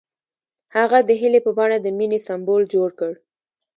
هغه د هیلې په بڼه د مینې سمبول جوړ کړ.